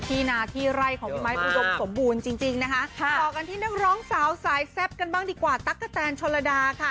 ที่นาที่ไร่ของพี่ไม้อุดมสมบูรณ์จริงจริงนะคะต่อกันที่นักร้องสาวสายแซ่บกันบ้างดีกว่าตั๊กกะแตนชนระดาค่ะ